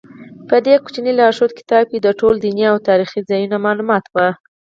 په دې کوچني لارښود کتاب کې د ټولو دیني او تاریخي ځایونو معلومات و.